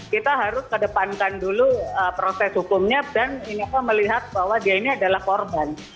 kita harus kedepankan dulu proses hukumnya dan melihat bahwa dia ini adalah korban